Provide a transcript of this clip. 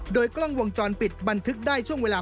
โดยกล้องวงจรปิดบันทึกได้ช่วงเวลา